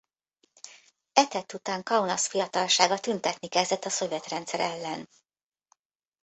E tett után Kaunas fiatalsága tüntetni kezdett a szovjet rendszer ellen.